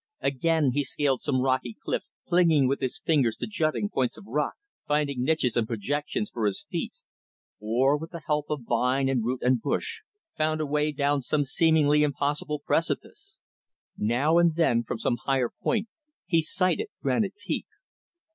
Again, he scaled some rocky cliff, clinging with his fingers to jutting points of rock, finding niches and projections for his feet; or, with the help of vine and root and bush, found a way down some seemingly impossible precipice. Now and then, from some higher point, he sighted Granite Peak.